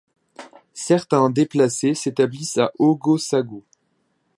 Certains déplacés s'établissent à Ogossagou.